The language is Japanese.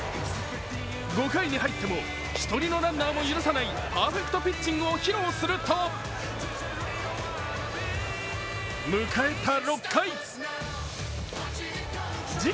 ５回に入っても一人のランナーも許さないパーフェクトピッチングを披露すると迎えた